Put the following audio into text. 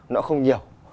nó không nhiều